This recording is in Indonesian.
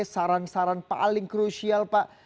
saran saran paling krusial pak